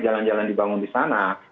jalan jalan dibangun di sana